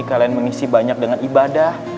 kalian mengisi banyak dengan ibadah